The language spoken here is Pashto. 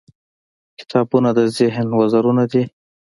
• کتابونه د ذهن وزرونه دي.